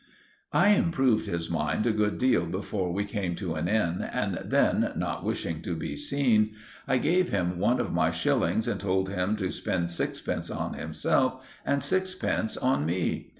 I improved his mind a good deal before we came to an inn, and then, not wishing to be seen, I gave him one of my shillings and told him to spend sixpence on himself and sixpence on me.